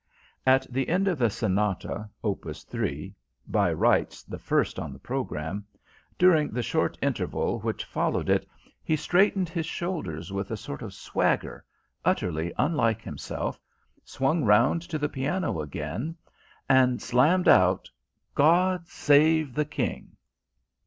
At the end of the Sonata, Op. III by rights the first on the programme during the short interval which followed it he straightened his shoulders with a sort of swagger, utterly unlike himself, swung round to the piano again, and slammed out "God Save the King."